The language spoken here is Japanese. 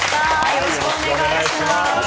よろしくお願いします。